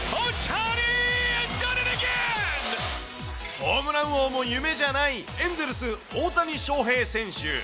ホームラン王も夢じゃない、エンゼルス、大谷翔平選手。